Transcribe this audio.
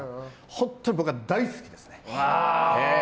本当に僕は大好きですね。